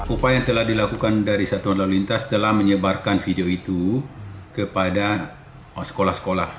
upaya yang telah dilakukan dari satuan lalu lintas telah menyebarkan video itu kepada sekolah sekolah